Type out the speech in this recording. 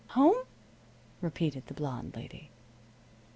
"Home?" repeated the blonde lady.